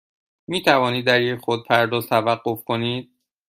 می توانید در یک خودپرداز توقف کنید؟